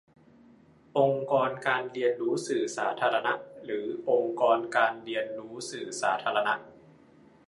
องค์กรการเรียนรู้สื่อสาธารณะ หรือ องค์กรการเรียนรู้สื่อสาธารณะ ?